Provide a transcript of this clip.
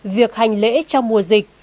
việc hành lễ trong mùa dịch